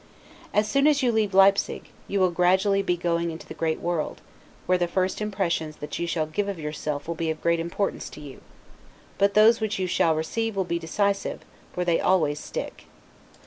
As soon as you leave Leipsig, you will gradually be going into the great world; where the first impressions that you shall give of yourself will be of great importance to you; but those which you shall receive will be decisive, for they always stick.